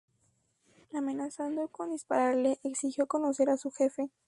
Amenazando con dispararle, exigió conocer a su jefe.